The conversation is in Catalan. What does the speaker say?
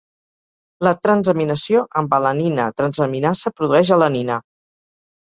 La transaminació amb alanina-transaminasa produeix alanina.